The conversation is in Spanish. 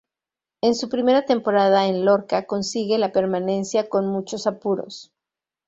En su primera temporada en Lorca consigue la permanencia con muchos apuros.